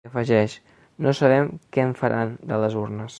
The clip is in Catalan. I afegeix: No sabem què en faran, de les urnes.